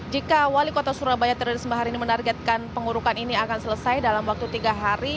jika wali kota surabaya tririsma hari ini menargetkan pengurukan ini akan selesai dalam waktu tiga hari